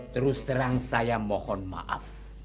terus terang saya mohon maaf